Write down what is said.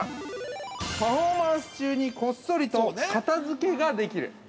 ◆パフォーマンス中にこっそりと片づけができる。